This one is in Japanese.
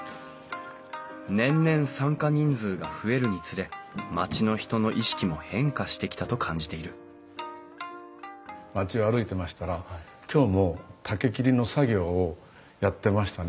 年々参加人数が増えるにつれ町の人の意識も変化してきたと感じている町を歩いてましたら今日も竹切りの作業をやってましたね。